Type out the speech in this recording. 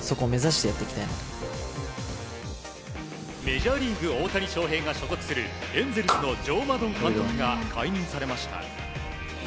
メジャーリーグ大谷翔平が所属するエンゼルスのジョー・マドン監督が解任されました。